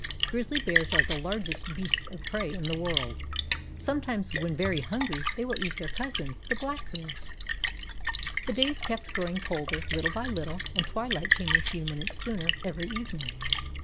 Grizzly bears are the largest beasts of prey in the world. Sometimes when very hungry they will eat their cousins, the black bears. The days kept growing colder little by little, and twilight came a few minutes sooner every evening.